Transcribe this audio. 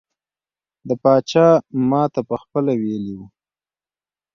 د پاچا ماته پخپله ویلي وو.